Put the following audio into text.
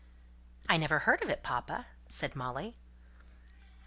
"I never heard of it, papa!" said Molly.